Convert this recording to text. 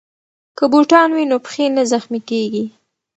که بوټان وي نو پښې نه زخمي کیږي.